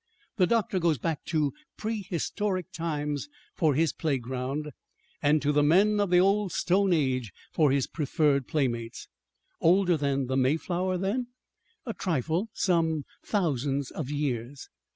The doctor goes back to prehistoric times for his playground, and to the men of the old Stone Age for his preferred playmates." "Older than the Mayflower, then?" "A trifle some thousands of years."